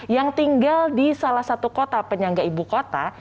yang tinggal di salah satu kota penyangga ibu kota